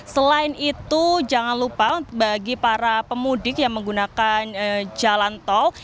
selain itu jangan lupa bagi para pemudik yang menggunakan jalan tol